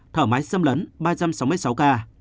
thở máy xâm lấn ba trăm sáu mươi sáu ca